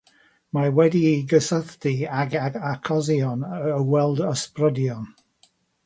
Mae wedi'i gysylltu ag achosion o weld ysbrydion.